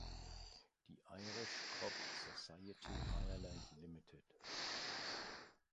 Die Irish Cob Society Ireland Ltd.